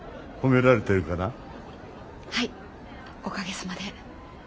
はいおかげさまで。